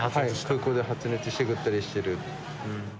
空港で発熱してぐったりしてる。